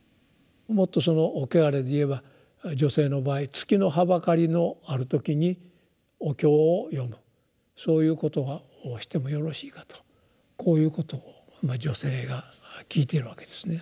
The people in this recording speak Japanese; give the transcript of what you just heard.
もっとその穢れでいえば女性の場合「月のはばかりのあるときにお経を読むそういうことをしてもよろしいか？」とこういうことを女性が聞いているわけですね。